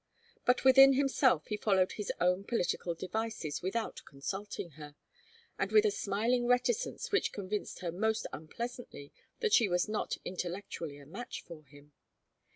But within himself he followed his own political devices without consulting her, and with a smiling reticence which convinced her most unpleasantly that she was not intellectually a match for him.